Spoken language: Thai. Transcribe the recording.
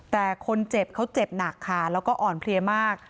แต่คนเจ็บเขาเจ็บหนักค่ะแล้วก็อ่อนเพลียมาก